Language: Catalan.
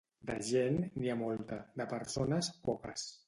De gent, n'hi ha molta; de persones, poques.